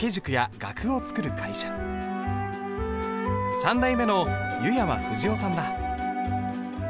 ３代目の湯山富士雄さんだ。